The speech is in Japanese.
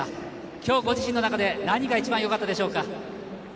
今日ご自身の中で何が一番よかったでしょうか？